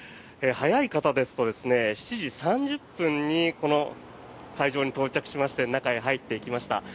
早い方ですと７時３０分にこの会場に到着しまして中へ入っていきました。